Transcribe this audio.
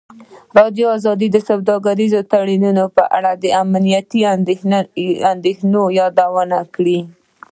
ازادي راډیو د سوداګریز تړونونه په اړه د امنیتي اندېښنو یادونه کړې.